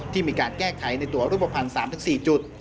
มีการแก้ไขในตัวรูปภัณฑ์๓๔จุด